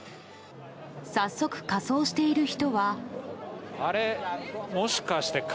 早速、仮装している人は。